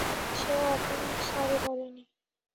সে এখনও সরি বলেনি!